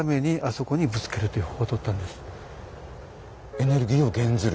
エネルギーを減ずる。